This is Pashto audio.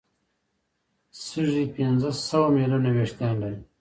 سږي پنځه سوه ملیونه وېښتان لري.